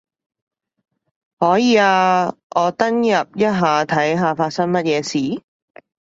可以啊，我登入一下睇下發生乜嘢事